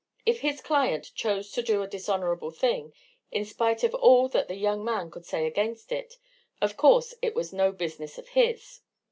If his client chose to do a dishonourable thing, in spite of all that the young man could say against it, of course it was no business of his.